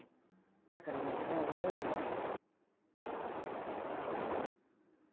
だからもう俺はやめるんだって。